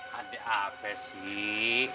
hade apa sih